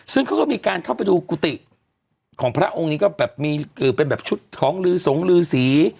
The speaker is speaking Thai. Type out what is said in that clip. ซึ่งเขาก็มีการเข้าไปดูกุฏิของพระองค์นี้ก็แบบมีเป็นแบบชุดของลือสงลือสี